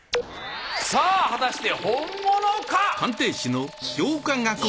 さあ果たして本物か？